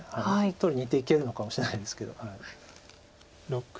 取りにいっていけるのかもしれないですけど。